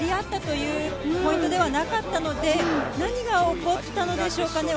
競り合ったというポイントではなかったので、何が起こったのでしょうか？